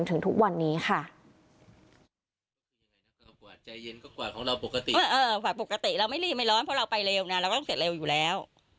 เออปกติเราไม่รีบไม่ร้อนเพราะเราไปเร็วนะเราก็ต้องเสร็จเร็วอยู่แล้ว